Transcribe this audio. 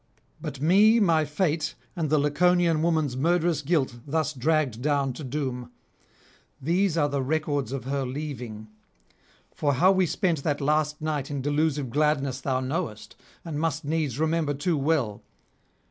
But me my fate and the Laconian woman's murderous guilt thus dragged down to doom; these are the records of her leaving. For how we spent that last night in delusive gladness thou knowest, and must needs remember too well.